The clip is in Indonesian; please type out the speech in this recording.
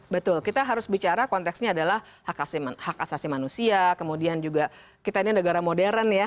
betul kita harus bicara konteksnya adalah hak asasi manusia kemudian juga kita ini negara modern ya